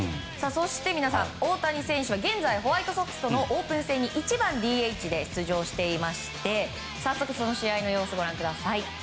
そして皆さん、大谷選手は現在、ホワイトソックスとのオープン戦に１番ＤＨで出場していまして早速、その試合の様子ご覧ください。